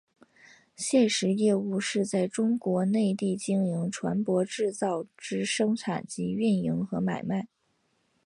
现时业务是在中国内地经营船舶制造之生产及营运和买卖。